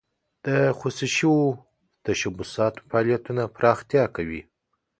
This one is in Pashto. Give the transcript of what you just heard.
د خصوصي شوو تشبثاتو فعالیتونه پراختیا کوي.